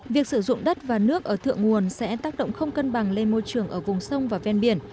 việc sử dụng đất và nước ở thượng nguồn sẽ tác động không cân bằng lên môi trường ở vùng sông và ven biển